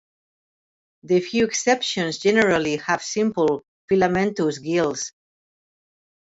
The few exceptions generally have simple, filamentous gills.